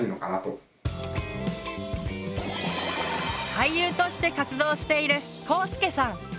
俳優として活動しているこうすけさん。